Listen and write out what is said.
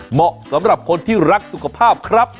เหมาะสำหรับคนที่รักสุขภาพครับ